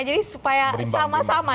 jadi supaya sama sama